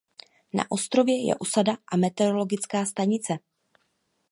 Na ostrově je osada a meteorologická stanice.